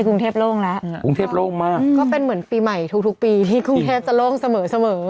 กรุงเทพโล่งแล้วกรุงเทพโล่งมากก็เป็นเหมือนปีใหม่ทุกทุกปีที่กรุงเทพจะโล่งเสมอเสมอ